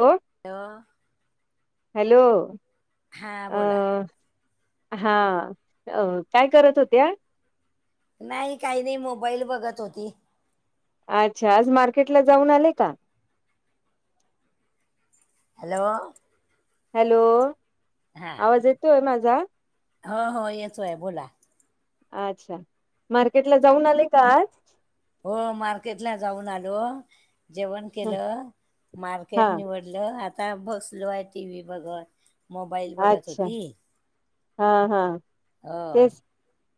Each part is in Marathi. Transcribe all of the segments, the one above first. हो अ हॅलो हा बोला अह हा काय करत होत्या? नाही काही नाही मोबाईल बघत होती. अच्छा आज मार्केट ला जाऊन आले का? Hello hello. हा आवाज येतोय माझा? हो हो येतोय बोला. अच्छा. मार्केट ला जाऊन आले का आज? हो मार्केट ला जाऊन आलो जेवण केलं हा मार्केट निवड लं आता बसलो आहे टी व्ही बघत. मोबाईल बघत अच्छा होती हा हा अ. तेच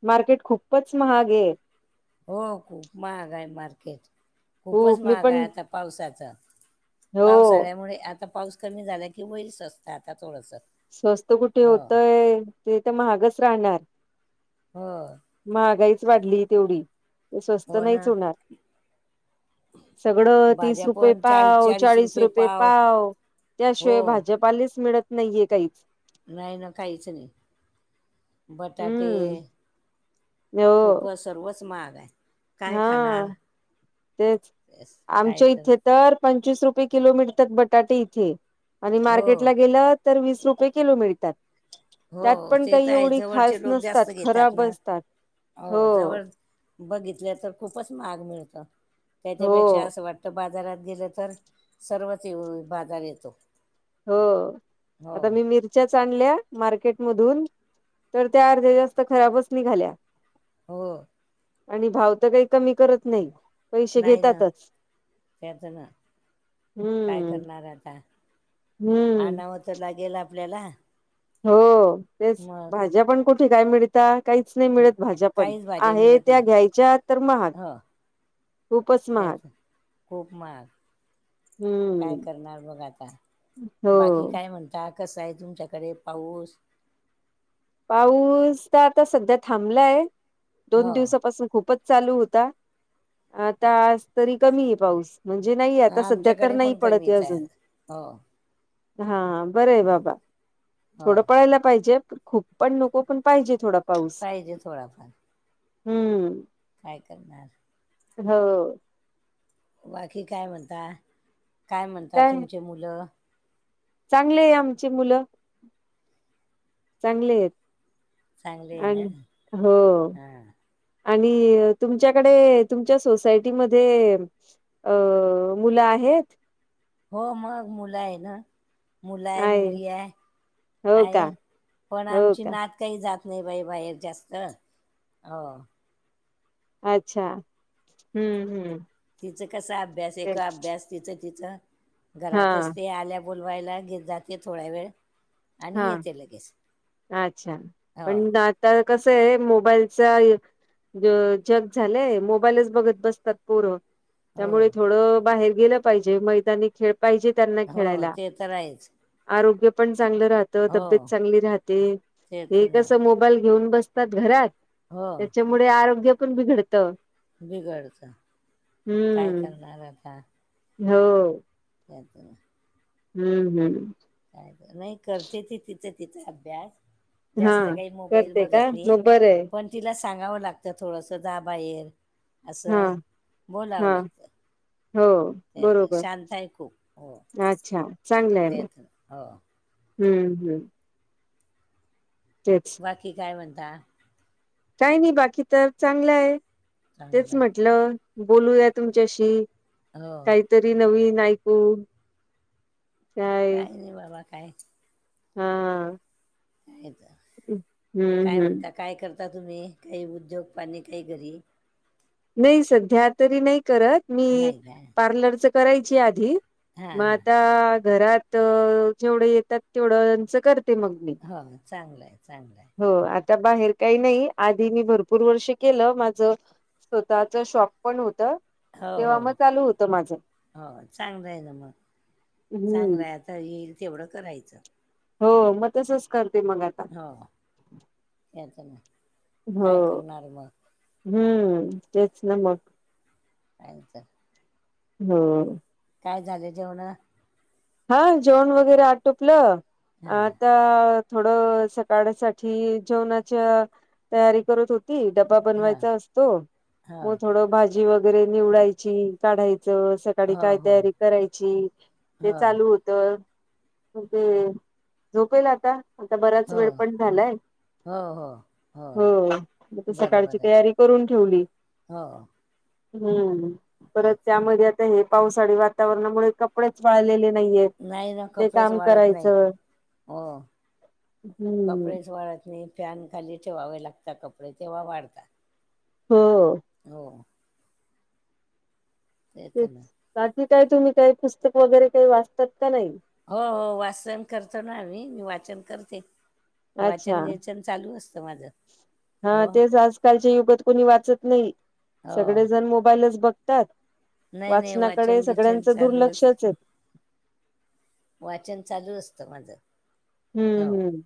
मार्केट खूपच महाग आहे. हो खूप महाग आहे मार्केट खूपच खूप मी महाग पण आहे आता पावसाचा. हो पाऊस आल्यामुळे आता पाऊस कमी झाला की वैरच असत आता थोडस. स्वस्त कुठे होतंय ते तर महागच राहणार. हो महागाईच वाढली तेवढी ते स्वस्त हो नाहीच ना होणार. सगळं तीस रुपये पाव चाळीस रुपये पाव. हो त्याशिवाय भाजपालाच मिळत नाहीये काहीच. नाही ना काहीच नाही बटाटे हम्म हो खूपच सर्वच महाग आहे. काय खाणार हा तेच येस, काय आमच्या इथे. तर पंचवीस रुपये किलो मिळतात बटाटे इथे आणि हो मार्केटला गेलं. तर वीस रुपये किलो मिळतात. हो त्यात पण तेच काही आहे एवढी खास जवळचे लोक नसतात जास्त घेतात खराब ना. असतात हो जवळ बघितल्या तर खूपच महाग मिळतो हो त्याच्यापेक्षा असं वाटत. तर बाजारात गेलं तर सर्वच बाजार येतो. हो हो आता मी मिर च्या चांगल्या आणल्या मार्केट मधून तर त्या अर्ध्या जास्त खराबच निघाल्या. हो आणि भाव तर काही कमी करत नाही पैसे नाही ना घेतातच. त्याचं ना काय हम्म करणार आता. हम्म मग तर लागेल आपल्याला. हो तेच मग भाज्या पण कुठे काय मिळत काहीच नाही मिळत भाज्या पण. काहीच भाज्या आहे मिळत त्या नाही घ्यायच्या तर महाग. खूपच महाग त्याचं खूप महाग काय हम्म करणार बघ आता, हो बाकी काय म्हणता कसं आहे तुमच्याकडे पाऊस? पाऊस तर आता सध्या थांबलाय, हो दोन दिवसापासून खूपच चालू होता, आता आज तरी कमी आहे पाऊस. म्हणजे नाही, आता सध्या तर आमच्याकडे नाही पण पडतय कमीच आहे अजून. आज हो हा बरं आहे बाबा, हो थोडं पळायला पाहिजे खूप पण नको पण पाहिजे थोडा पाऊस पाहिजे थोडाफार. हम्म! काय करणार. हो. बाकी काय म्हणता? काय म्हणता तुमची मुलं? चांगली आहे आमची मुलं. चांगली आहेत, चांगले आहे आणि ना हो हां आणि तुमच्याकडे, तुमच्या सोसायटी मध्ये अ मुलं आहेत? हो, मग मुलं आहे ना. मुलं आहे, मुली आहे, हो का आहे पण हो आमची का नात काय जात नाही बाई बाहेर जास्त, हो. अच्छा, हम्म हम्म. तिचं कसा अभ्यास एक तेच अभ्यास, तिचं तिचं हा घरातच ते आल्या बोलवायला घेत जाते थोडा वेळ. आणि हा, येते लगेच अच्छा हो पण नात तर कसं आहे मोबाईलचा ग जग झालंय, मोबाईलच बघत बसतात पोरं. हो त्यामुळे थोडं बाहेर गेलं पाहिजे, मैदानी खेळ पाहिजे त्यांना हो खेळायला. ते तर आहेच आरोग्य पण चांगलं राहत, हो तब्येत चांगली राहते, ते हे तर कसं मोबा मोबाईल घेऊन बसतात घरात, हो त्याच्यामुळे आरोग्य पण बिघडत. बिघडत, काय हम्म करणार आता. हो. त्या तरा हम्म हम्. काय पण नाही करते ती, तिचं तिचां अभ्यास. हा जास्त काही मोबाईल करते का बघत नाही, मग बरं आहे पण तिला सांगावं लागतं थोडसं जा बाहेर. हा असं बोलावं हा, लागतं हो. त्यात बरोबर, शांत आहे खूप हो अच्छा, चांगलं आहे मग. त्यात हो हम्म हम्. तेच. बाकी काय म्हणता? काय नाही, बाकी तर चांगलं आहे, चांगलं तेच आहे म्हटलं. बोलूया तुमच्याशी. हो. तरी नवीन ऐकून काही नाही बाबा काय हा काय तर. हम्म काय हम्म म्हणता काय करता तुम्ही काही उद्योग पाणी काही घरी नाही सध्या तरी नाही करत मी नाही काय पार्लरच करायची आधी हां मग हां आता घरात जेवढं येतात तेवढंच करत ते मग मी हो चांगलं आहे चांगलं आहे हो आत त्या बाहेर काही नाही आधी मी भरपूर वर्ष केलं माझं. स्वतःच शॉप पण होत. हो हो तेव्हा मग चालू होतं माझं हो चांगलं आहे ना मग हम्म चांगलं आहे आता. तर येईल तेवढं करायचं हो मग तसच करते मग. हो याच नाही हो काय करणार मग. हम्म तेच न मग. थ सर. हो. काय झाले जेवण. हा जेण वगैरे आटोपलं हां आता. थोडं सकाळ सा जेवणाच्या तयारी करत होती ड. बनवा हां असतो हो मग थोड भाजी वगैरे निवडायची काढायच स. काय हो तयारी करायची ते हो चालू तर ते झोपेल आता आता बराच हो वेळ पण झालाय. हो मग त सकाळची बरोबर आहे तयारी करून ठेवली. हो हम्म परत त्याच त्यामध्ये आता हे पावसाळी वातावरणामुळे कपडे. पलेले नाहीय. नाही ना कपडेच वाढत नाही हो. हम्म कपडेच वाढत नाही फॅन खाली ठेवावे लागतात कपडे तेव्हा वाढतात. हो. हो तेच बाकी काय तुम्ही काही पुस्तक वगैरे काही वाचतात का नाही. हो हो वाचन करतो ना आम्ही मी वाचन करते. वाचन अच्छा वेचन चालू असतं म. हा तेच आजकालच्या युगात कोणी वाचत नाही. हो सगळे जण मोबाईलच बघतात नाही नाही वाचनाकडे वाचन गिचन सगळ्यांचं चालू अस दुर्लक्षच आहे. वाचन चालू असतं माझं. हम्म हो हम्म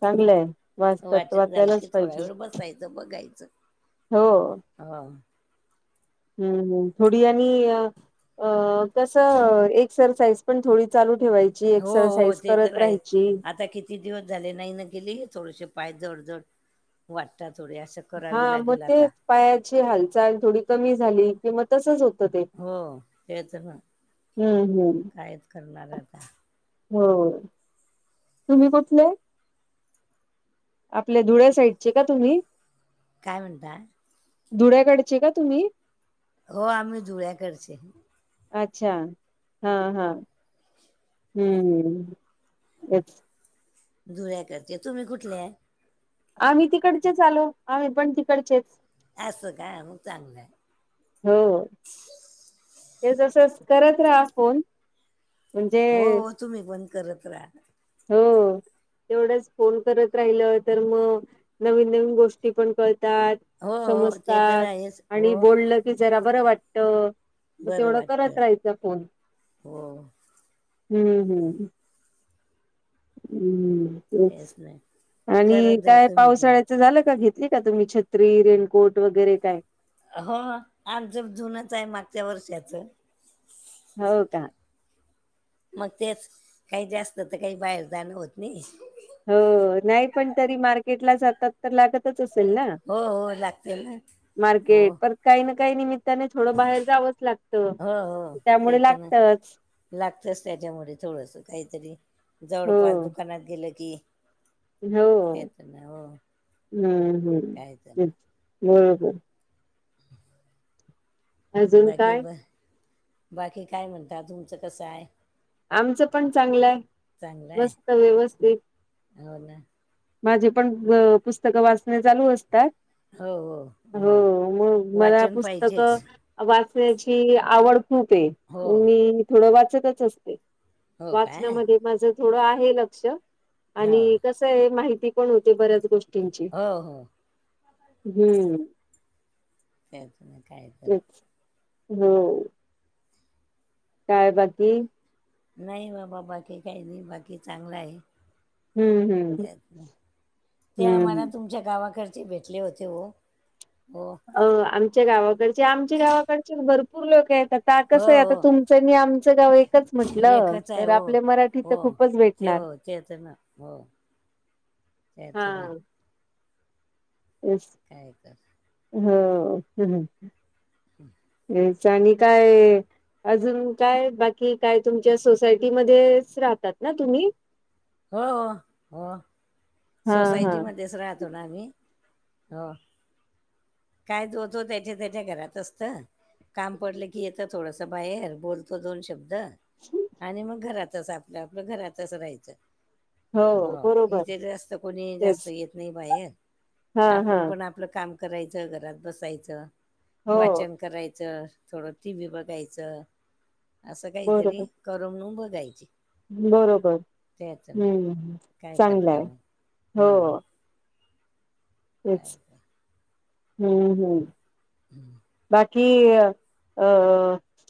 चांगलंय वाचतात वाचन झालं की वाचायलाच थोडा पाहिजे. वेळ बसायचं हो. हा. ह् थोडी आणि अ कसं एक्सरसाइज. पणथडी लू ठेवायची. हो हो एक्सरसाइज ते करत तर आहे राहायची. आता किती. किती दिवस झाले नाही ना गेली थोडेसे पाय जडजड वाटतात थोडे असं. करावी हा मग लागेल तेच आता. पायाची हालचाल थोडी कमी झाली. कि मग तसच होतं ते. हो तेच पण. हम्म हम्म. कायद करणार आता. हो तुम्ही कुठले? आपल्या धुळ्या साईडचे का तुम्ही? काय म्हणता? धुळ्या काढचे का तुम्ही? हो आम्ही धुळ्याकडचे. अच्छा हां हां. हम्म यच धुळ्याकडचे, तुम्ही कुठल्या आहे? आम्ही तिकडचेच आलो, आम्ही पण तिकडचेच. असं का मग चांगला आहे. हो ते जस करत राहा फोन. म्हणजे हो हो तुम्ही पण करत राहा. हो. तेवढंच फोन करत राहिलं तर मग नवीन नवीन गोष्टी पण कळतात. हो, हो. ते तर समजतात आहेच. आणि हो. बोलल की जरा बरं वाटत. मग बरं तेवढं करत वाटतं. राहायच फोन हो. हम्म हम्म. हम् तेच आणि करत जा काय तुम्ही पण. पावसाळ्याचं झालं का घेत का तुम्ही छत्री, रेनकोट वगैरे काय? हो आज जप जुनच आहे मागच्या वर्षाचं. हो का? मग तेच काही जास्त तर काही बाहेर जाणं होत नाही. हो नाही पण तरी मार्केटला जातात तर लागत असे हो हो लागते ना हो मार्केट काही ना काही निमित त्याने थोडं बाहेर जावंच लागत त्यामुळे लागतच. लागतच त्याच्यामुळे थोडस काहीतरी हो जवळपास दुकानात गेलं की. हो ते तर ना हो हम् हम् काय तर ते बरोबर. अजून बाकी काय ब बाकी काय म्हणत तुमचं कसं आहे? आमचं पण चांगलं आहे चांगलं आहे मस्त व्यवस्थित. हो ना. माझे पण पुस्तकं वाचण्या चालू असतात. हो हो मग मला वाचन पुस्तक पाहिजेच वाचण्याची आवड खूप आहे, हो मग मी थोडं वाचतच असते. हो काय वाचनामध्ये माझ थोडं आहे लक्ष हो आणि कस आहे माहिती पण होते बऱ्याच गोष्टींची हो हो हम्म. त्याचून काही कर तेच हो. काय बाकी? नाही बाबा बाकी काही नाही बाकी चांगला आहे. हम्म हम्म त्या आम्हाला हम्म तुमच्या गावाकडचे भेटले होते हो हो. अ आमच्या गावाकडचे आमच्या गावाकडचे भरपूर लोक आहेत आता हो कसं आहे आता हो तुम त्यांनी आमच गाव एक म्हटलं एकच आहे तर हो आपल्या मराठी हो तर खूपच ते भेटणार. हो ते त्यांचं धन. हा तेच. काय तर. हो केलंय. होय. याच आणि काय. अजून काय बाकी काय तुमच्या सोसायटीमध्येच राहतात ना तुम्ही. हो हो. हा हा. सोसायटीमध्येच राहतो ना आम्ही हो. काय तो तो त्याच्या त्याच्या घरात असत. काम पडलं की येतं थोडंसं बाहेर बोल''--'' तो दोन शब्द आणि मग घरातच आपलं आपलं घरातच राहायचं. हो. इथं कोणी जास्त तेच. येत नाही बाहेर हा हा. आपण पण आपलं काम. करायचं घरात बसायचं हो वाचन करायचं. थोडं टी व्ही बघायचं असं बरोबर काहीतरी करमणूक म्हणून बघायची. बरोबर त्याच ना हम् काय चांगलं करता आहे मग हो. काय तेच काय. हम्म हम्म. हम्म. बाकी अ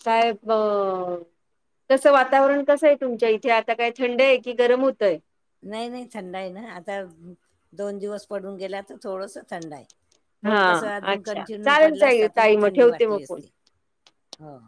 काय बघ. तसं वातावरण कसं आहे तुमच्या इथे आता काय थंड आहे की गरम होतय. नाही नाही थंड आहे ना आता दोन दिवस पडून गेला तर थोडस थंड आहे. हा पण कसं अजून अच्छा. कंटिन्यू चालेल पडला चालेल असता तर मग ताई थंडी ठेवते मग वाटली फोन. असते हो.